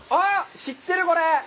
知ってる、これ！